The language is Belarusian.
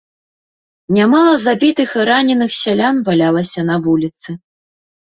Нямала забітых і раненых сялян валялася на вуліцы.